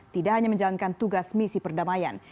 tidak hanya menjalankan tugas misi perdamaian